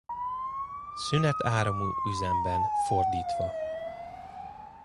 Szünet-áramú üzemben fordítva.